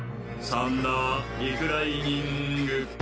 サンダー・リクライニング。